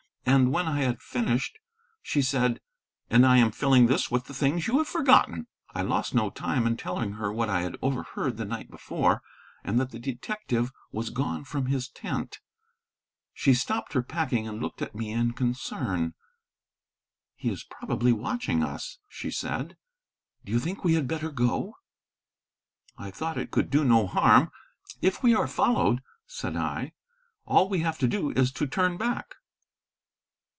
And when I had finished, she said, "And I am filling this with the things you have forgotten." I lost no time in telling her what I had overheard the night before, and that the detective was gone from his tent. She stopped her packing and looked at me in concern. "He is probably watching us," she said. "Do you think we had better go?" I thought it could do no harm. "If we are followed," said I, "all we have to do is to turn back."